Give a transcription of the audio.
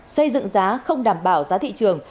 xây dựng giá không đảm bảo giá thị trường